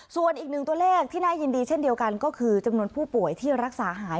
ส่วนอีกหนึ่งตัวเลขที่น่ายินดีเช่นเดียวกันก็คือจำนวนผู้ป่วยที่รักษาหาย